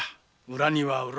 裏には裏。